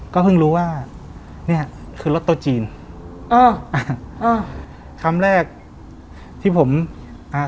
ก็เพิ่งรู้ว่าเนี้ยคือรถโต๊ะจีนอ่าอ่าอ่าคำแรกที่ผมอ่า